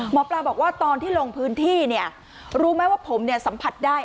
หมอปลาบอกว่าตอนที่ลงพื้นที่เนี่ยรู้ไหมว่าผมสัมผัสได้